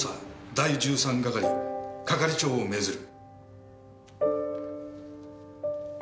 第１３係係長を命ずる。